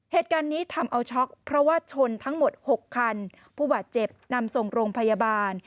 เหตุการณ์นี้ทำเอาช็อกเพราะว่าชนทั้งหมดหกคันผู้บาดเจ็บนำส่งโรงพยาบาล